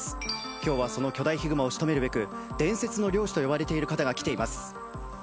今日はその巨大ヒグマを仕留めるべく伝説の猟師と呼ばれている方が来ています。